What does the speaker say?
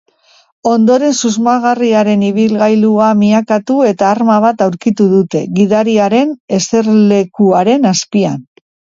Ondoren susmagarriaren ibilgailua miakatu eta arma bat aurkitu dute gidariaren eserlekuaren azpian.